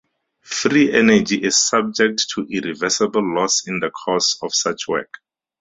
Free energy is subject to irreversible loss in the course of such work.